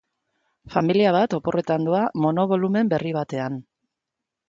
Familia bat oporretan doa monobolumen berri batean.